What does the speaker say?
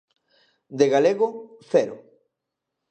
De galego, cero.